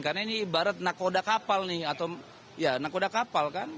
karena ini ibarat nakoda kapal nih atau ya nakoda kapal kan